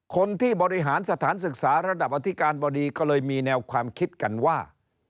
คนที่บริหารสถานศึกษาระดับอธิการบดีก็เลยมีแนวความคิดกันว่า